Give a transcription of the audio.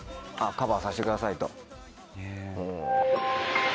「カバーさせてください」と。